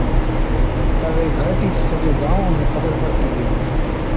تہ وي گھَرٽِي چِي سجي گانوان ۾ خبر پڙتِي گيلِي۔